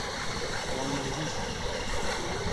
Wan bihîst.